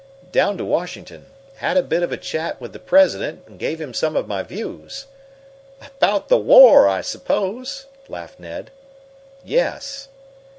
"Down to Washington. Had a bit of a chat with the President and gave him some of my views." "About the war, I suppose?" laughed Ned. "Yes."